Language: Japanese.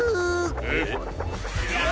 えっ。